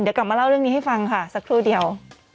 เดี๋ยวกลับมาเล่าเรื่องนี้ให้ฟังค่ะสักครู่เดียว